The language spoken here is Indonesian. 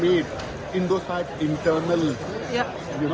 dan kita mendapatkan perhatian dari mereka